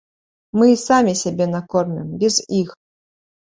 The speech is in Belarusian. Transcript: Мы і самі сябе накормім, без іх.